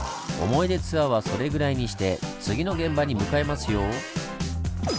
思い出ツアーはそれぐらいにして次の現場に向かいますよ。